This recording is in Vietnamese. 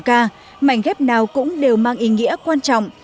các đồng ca mảnh ghép nào cũng đều mang ý nghĩa quan trọng